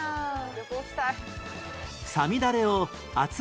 旅行したい。